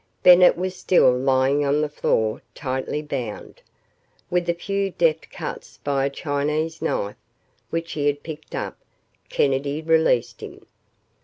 Bennett was still lying on the floor tightly bound. With a few deft cuts by a Chinese knife which he had picked up, Kennedy released him.